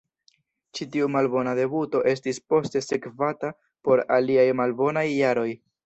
Ĉi tiu malbona debuto estis poste sekvata por aliaj malbonaj jaroj.